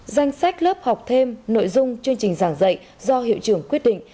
danh sách lớp học thêm nội dung chương trình giảng dạy do hiệu trưởng quyết định